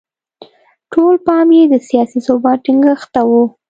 ټول پام یې د سیاسي ثبات ټینګښت ته و.